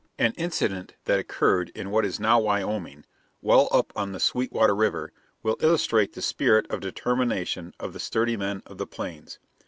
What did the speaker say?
An incident that occurred in what is now Wyoming, well up on the Sweetwater River, will illustrate the spirit of determination of the sturdy men of the Plains.